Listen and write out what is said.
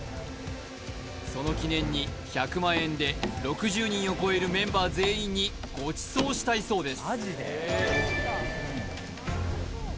その記念に１００万円で６０人を超えるメンバー全員にごちそうしたいそうです